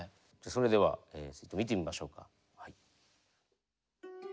それではちょっと見てみましょうか。